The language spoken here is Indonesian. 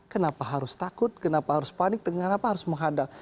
kenapa harus takut kenapa harus panik kenapa harus menghadap